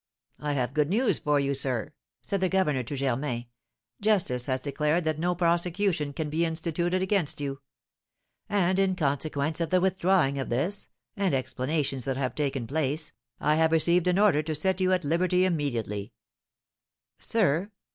"I have good news for you, sir," said the governor to Germain; "justice has declared that no prosecution can be instituted against you; and in consequence of the withdrawing of this, and explanations that have taken place, I have received an order to set you at liberty immediately." "Sir!